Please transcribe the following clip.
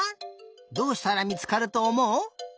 どうしたらみつかるとおもう？